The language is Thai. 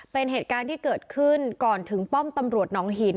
เป็นเหตุการณ์ที่เกิดขึ้นก่อนถึงป้อมตำรวจน้องหิน